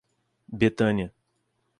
Betânia